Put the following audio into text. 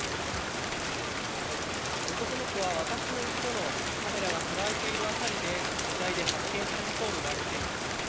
男の子は私の後ろのカメラが捉えている辺りで遺体で発見されたと見られています。